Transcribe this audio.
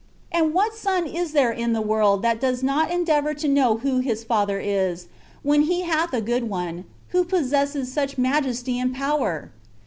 And what son is there in the world that does not endeavour to know who his father is, when he hath a good one, who pos sesses such majesty and power